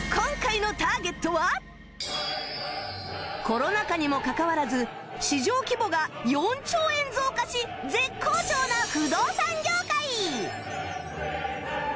コロナ禍にもかかわらず市場規模が４兆円増加し絶好調な不動産業界